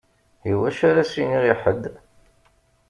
Iwacu ara s-iniɣ i ḥedd?